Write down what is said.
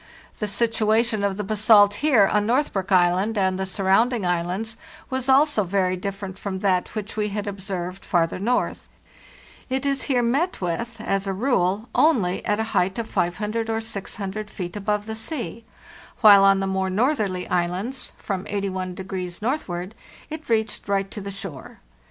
The situation of the basalt here on Northbrook Island and the surrounding islands was BASALTIC ROCK also very different from that which we had observed far ther north. It is here met with, as a rule, only at a height of 500 or 600 feet above the sea, while cn the more northerly islands—from 81° northward—it reached right to the shore.